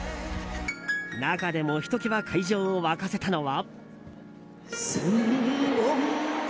中でも、ひと際会場を沸かせたのは。